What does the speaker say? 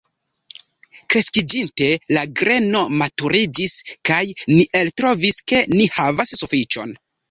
Kreskiĝinte la greno maturiĝis, kaj ni eltrovis, ke ni havas sufiĉon.